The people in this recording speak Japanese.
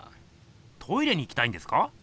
トイレに行きたいんですか？